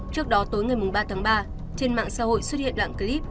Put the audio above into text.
trước đó tối ngày ba tháng ba trên mạng xã hội xuất hiện đoạn clip